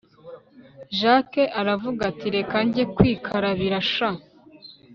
jack aravuga ati reka njye kwikarabira sha